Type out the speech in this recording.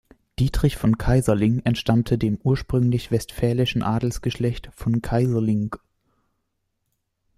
Dietrich von Keyserling entstammte dem ursprünglich westfälischen Adelsgeschlecht von Keyserlingk.